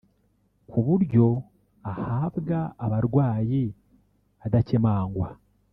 kuburyo ahabwa abarwayi adakemangwa